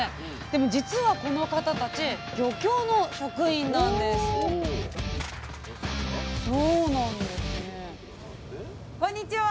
でも実はこの方たち漁協の職員なんですこんにちは。